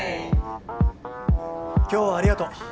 今日はありがとう。